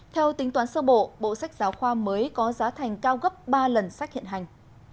theo tính toán sơ bộ bộ sách giáo khoa mới có giá thành cao gấp ba lần sách hiện hành